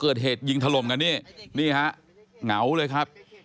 พอเกิดเหตุยิงถล่มกันเนี่ยมีเหตุเงาเลยครับ